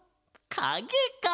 かげか。